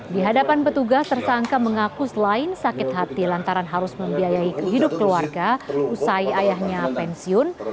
di hadapan petugas tersangka mengaku selain sakit hati lantaran harus membiayai kehidupan keluarga usai ayahnya pensiun